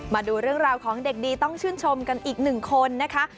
มาดูเรื่องราวของเด็กดีต้องชื่นชมกันอีกหนึ่งคนนะคะ